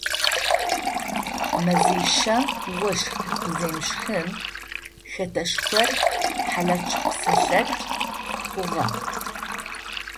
Мэзищэ ощх къыземыщхым хэтэшхор хьалэч-псэлэч хъугъэ.